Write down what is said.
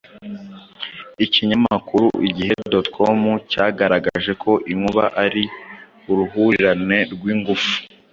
Ikinyamakuru Igihe.com cyagaragaje ko inkuba ari uruhurirane rw’ingufu